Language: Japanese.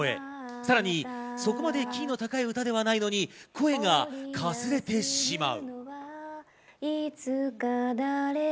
さらにそこまでキーの高い歌ではないのに声がかすれてしまう。